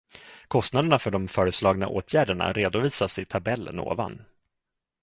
Kostnaderna för de föreslagna åtgärderna redovisas i tabellen ovan.